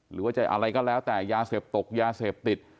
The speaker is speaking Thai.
หรือว่าจะอะไรก็แล้วแต่ยาเสพตกยาเสพติด